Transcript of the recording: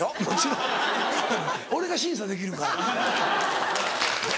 俺が審査できるから。